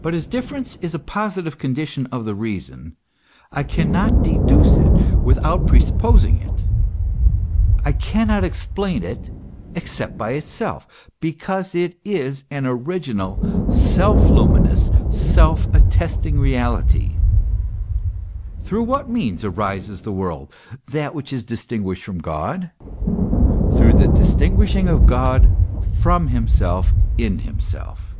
But as difference is a positive condition of the reason, I cannot deduce it without presupposing it ; I cannot explain it except by itself, because it is an original, self luminous, self attesting reality. Through what means arises the world, that which is distinguished from God ? through the distinguishing of God from himself in himself.